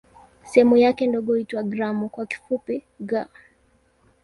Sehemu yake ndogo huitwa "gramu" kwa kifupi "g".